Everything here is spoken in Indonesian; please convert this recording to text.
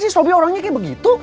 emang sih sobri orangnya kaya begitu